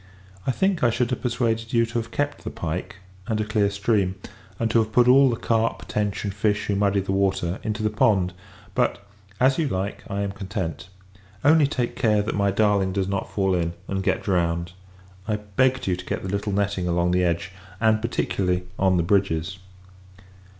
I think, I should have persuaded you to have kept the pike, and a clear stream; and to have put all the carp, tench, and fish who muddy the water, into the pond. But, as you like, I am content. Only take care, that my darling does not fall in, and get drowned. I begged you to get the little netting along the edge; and, particularly, on the bridges.